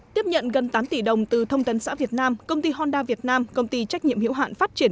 tiếp nhận gần tám tỷ đồng từ thông tấn xã việt nam công ty honda việt nam công ty trách nhiệm hiệu hạn phát triển